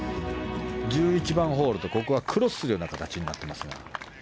１１番ホールとここはクロスするような形になっていますが。